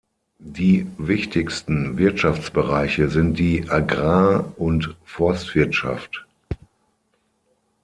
Die wichtigsten Wirtschaftsbereiche sind die Agrar- und Forstwirtschaft.